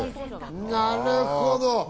なるほど。